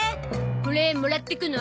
これもらってくの？